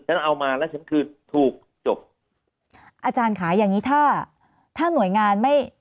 เอามาแล้วฉันคือถูกจบอาจารย์ค่ะอย่างงี้ถ้าถ้าหน่วยงานไม่